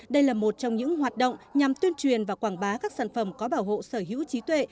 đây là một trong những hoạt động nhằm tuyên truyền và quảng bá các sản phẩm có bảo hộ sở hữu trí tuệ